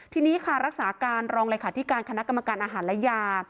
ทีนี้ค่ะรักษาการรองเลยค่ะที่การคณะกรรมการอาหารและยา